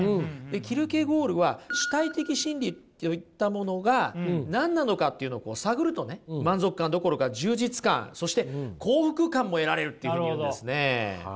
キルケゴールは主体的真理といったものが何なのかっていうのを探るとね満足感どころか充実感そして幸福感も得られるっていうふうに言うんですね。